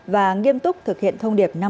và nghiêm túc thực hiện thông điệp năm k